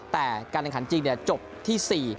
แต่การแข่งขันจริงจบที่๔